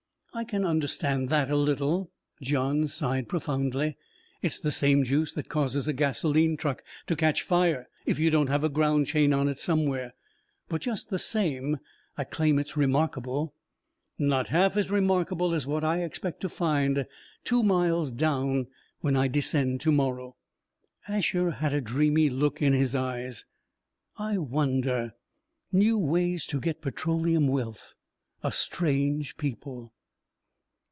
"I can understand that, a little," Johns sighed profoundly. "It's the same juice that causes a gasoline truck to catch fire if you don't have a ground chain on it somewhere. But, just the same, I claim it's remarkable." "Not half as remarkable as what I expect to find two miles down when I descend to morrow." Asher had a dreamy look in his eyes. "I wonder: new ways to get petroleum wealth ... a strange people...."